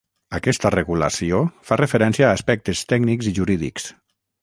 Aquesta regulació fa referència a aspectes tècnics i jurídics.